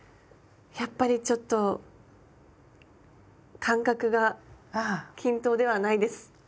やっぱりちょっと間隔が均等ではないです。